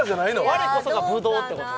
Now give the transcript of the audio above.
我こそが葡萄ってこと？